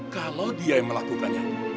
kalau dia yang melakukannya